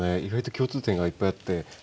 意外と共通点がいっぱいあって。